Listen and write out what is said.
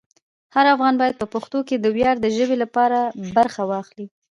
هر افغان باید په پښتو کې د ویاړ د ژبې لپاره برخه واخلي.